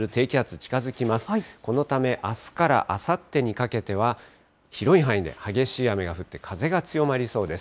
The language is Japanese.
このため、あすからあさってにかけては、広い範囲で激しい雨が降って、風が強まりそうです。